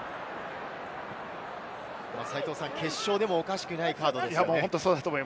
決勝でもおかしくないカードですよね。